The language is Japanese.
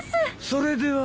それでは。